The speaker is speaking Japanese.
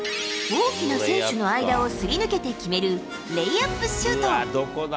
大きな選手の間をすり抜けて決める、レイアップシュート。